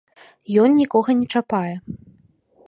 Ён нікога не чапае.